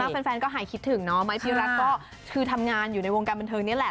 ขอบคุณมากแฟนก็หายคิดถึงเนาะไม้พีรักก็คือทำงานอยู่ในวงการบรรเทิงเนี่ยแหละ